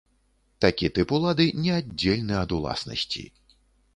Такі тып улады неаддзельны ад уласнасці.